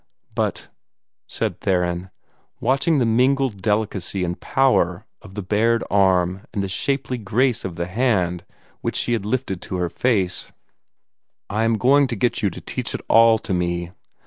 "But," said Theron, watching the mingled delicacy and power of the bared arm and the shapely grace of the hand which she had lifted to her face, "I am going to get you to teach it ALL to me."